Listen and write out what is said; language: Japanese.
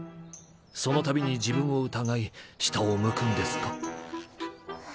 そのたびに自分を疑い下を向くんですか？